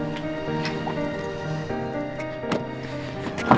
agak kayaknya orang lain juga